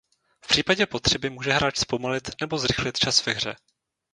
V případě potřeby může hráč zpomalit nebo zrychlit čas ve hře.